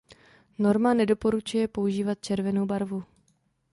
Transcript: Norma nedoporučuje používat červenou barvu.